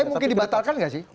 tapi mungkin dibatalkan nggak sih